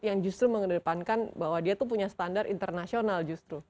yang justru mengedepankan bahwa dia tuh punya standar internasional justru